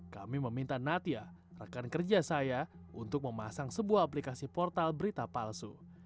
kami meminta natia rekan kerja saya untuk memasang sebuah aplikasi portal berita palsu